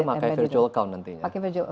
kita pakai virtual account nantinya